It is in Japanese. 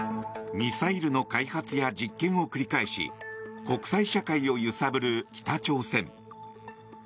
ミサイルの開発や実験を繰り返し国際社会を揺さぶる北朝鮮。